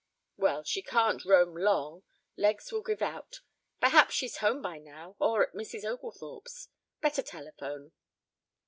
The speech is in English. "Well, she can't roam long; legs will give out. Perhaps she's home by now or at Mrs. Oglethorpe's. Better telephone."